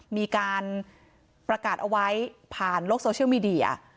มีการประกาศเอาไว้ผ่านโลกโซเชียลมีเดีย